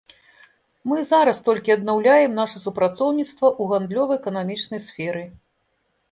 Мы зараз толькі аднаўляем наша супрацоўніцтва ў гандлёва-эканамічнай сферы.